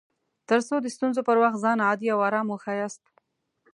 تر څو د ستونزو پر وخت ځان عادي او ارام وښياست